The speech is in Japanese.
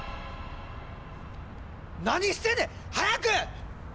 何してんねん！早く！